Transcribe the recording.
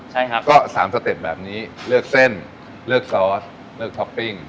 ใช่ครับก็สามสเต็ปแบบนี้เลือกเส้นเลือกซอสเลือกท็อปปิ้ง